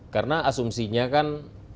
karena asumsinya kan